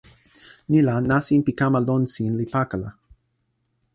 ni la nasin pi kama lon sin li pakala.